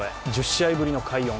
１０試合ぶりの快音。